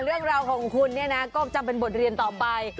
เรื่องของคุณก็จะเป็นบทเรียนต่อไป